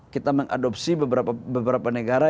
kita mengadopsi beberapa negara